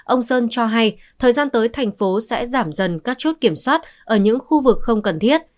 ông sơn cho hay thời gian tới thành phố sẽ giảm dần các chốt kiểm soát ở những khu vực không cần thiết